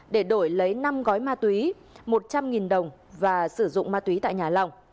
để đổi lấy năm gói ma túy một trăm linh đồng và sử dụng ma túy tại nhà long